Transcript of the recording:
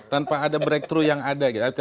tanpa ada breakthroug yang ada